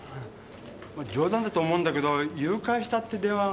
冗談だと思うんだけど誘拐したって電話があったんだ。